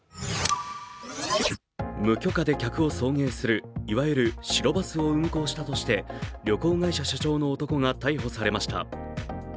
無許可で客を送迎するいわゆる白バスを運行したとして旅行会社社長の男が逮捕されました。